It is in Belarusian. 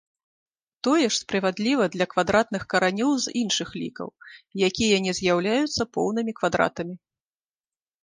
Тое ж справядліва для квадратных каранёў з іншых лікаў, якія не з'яўляюцца поўнымі квадратамі.